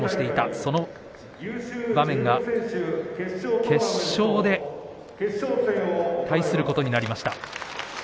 その場面が、決勝で対することになりました。